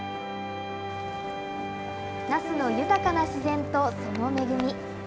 那須の豊かな自然とその恵み。